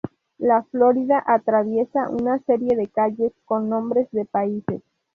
La Florida, atraviesa una serie de calles con nombres de países.